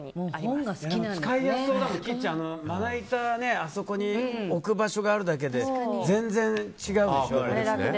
まな板あそこに置く場所があるだけで全然違うんですよ。